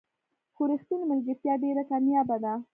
خو رښتینې ملګرتیا ډېره کمیابه ده.